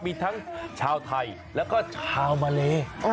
มีทั้งชาวไทยแล้วก็ชาวมาเล